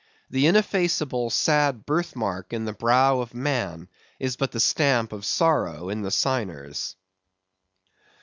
The ineffaceable, sad birth mark in the brow of man, is but the stamp of sorrow in the signers.